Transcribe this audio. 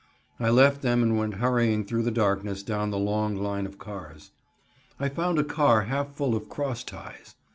I left them and went hurrying through the darkness down the long line of cars. I found a car half full of cross ties.